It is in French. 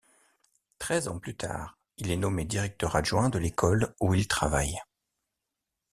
Treize ans plus tard, il est nommé directeur adjoint de l'école où il travaille.